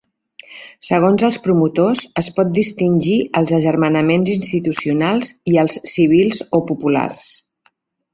Segons els promotors, es pot distingir els agermanaments institucionals i els civils o populars.